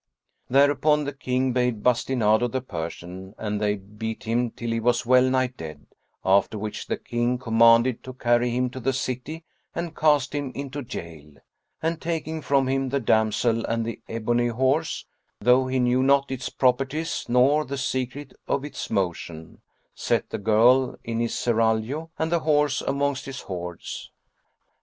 Thereupon the King bade bastinado the Persian and they beat him till he was well nigh dead; after which the King commanded to carry him to the city and cast him into jail; and, taking from him the damsel and the ebony horse (though he knew not its properties nor the secret of its motion), set the girl in his serraglio and the horse amongst his hoards.